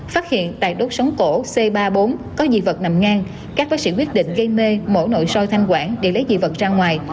phát hiện tại đốt sóng cổ c ba mươi bốn có dị vật nằm ngang các bác sĩ quyết định gây mê mổ nội soi thanh quản để lấy dị vật ra ngoài